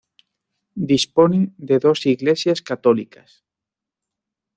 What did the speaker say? Dispone de dos iglesias católicas.